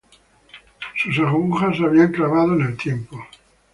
Sus agujas se había clavado en el tiempo.